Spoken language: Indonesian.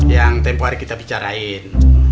yang tempoh hari kita bicarain